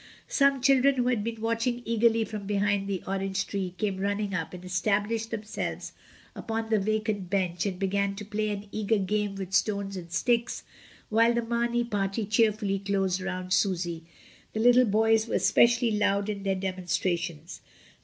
Some children who had been watching eagerly from behind the orange tree came running up and established themselves upon the vacant bench and began to play an eager game with stones and sticks, while the Marney party cheerfully closed round Susy, the little boys were specially loud in their demonstrations.